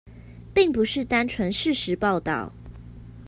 並不是單純事實報導